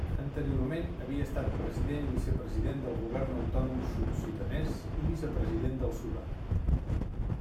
Anteriorment havia estat president i vicepresident del govern autònom sud-sudanès i vicepresident del Sudan.